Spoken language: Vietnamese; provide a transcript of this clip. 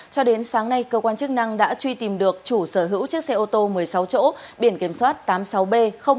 cho đến sáng nay cơ quan chức năng đã truy tìm được chủ sở hữu chiếc xe ô tô một mươi sáu chỗ biển kiểm soát tám mươi sáu b một nghìn năm trăm bảy mươi năm